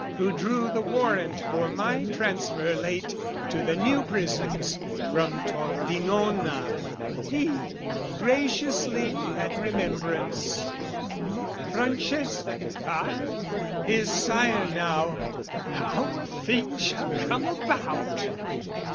Who drew the warrant for my transfer late To the New Prisons from Tordinona, he Graciously had remembrance "Francesc...ha? "His sire, now how a thing shall come about!